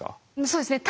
そうですね